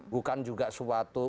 bukan juga suatu